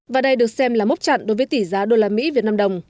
và đây được xem là mốc chặn đối với tỷ giá đô la mỹ việt nam đồng